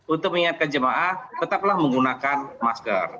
untuk mengingatkan jemaah tetaplah menggunakan masker